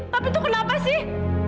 tapi itu kenapa sih